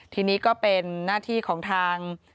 ทีนี้ก็เป็นหน้าที่ของทาง